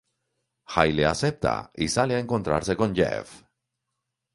Hayley acepta y sale a encontrarse con Jeff.